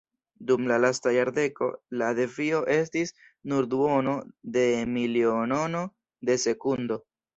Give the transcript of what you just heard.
Dum la lasta jardeko la devio estis nur duono de milionono de sekundo.